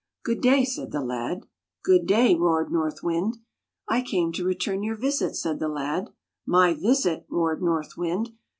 " Good day," said the lad. Good day!' roared North Wind. " I came to return your visit," said the lad. My visit! " roared North Wind.